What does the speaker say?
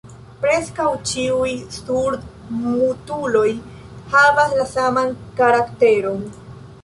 Preskaŭ ĉiuj surdmutuloj havas la saman karakteron.